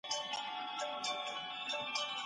هېڅکله خپله څېړنیزه لیکنه له کره کتنې پرته مه خپروئ.